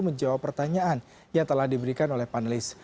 menjawab pertanyaan yang telah diberikan oleh panelis